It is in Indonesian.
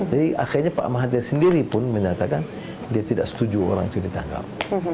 jadi akhirnya pak mahathir sendiri pun menyatakan dia tidak setuju orang itu ditangkap